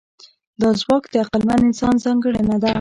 دا ځواک د عقلمن انسان ځانګړنه ده.